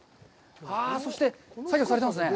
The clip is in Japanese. あぁ、そして作業されてますね。